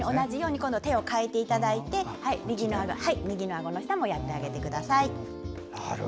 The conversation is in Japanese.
手を変えていただいて右のあごの下もやってあげてください。